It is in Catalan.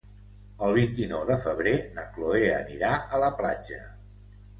El vint-i-nou de febrer na Cloè anirà a la platja.